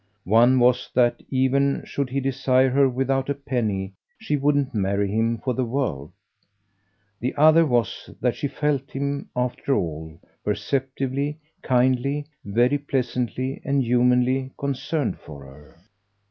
One was that even should he desire her without a penny she wouldn't marry him for the world; the other was that she felt him, after all, perceptively, kindly, very pleasantly and humanly, concerned for her.